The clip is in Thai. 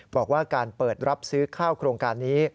บอกว่าการเปิดรับซื้อข้าวโครงการนี้